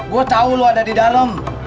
gue tau lo ada di dalam